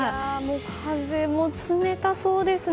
風も冷たそうですね。